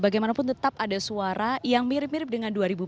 bagaimanapun tetap ada suara yang mirip mirip dengan dua ribu dua puluh